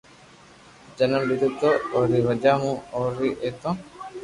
جنم لآدو ھتو اي ري وجھ مون اوري ايتو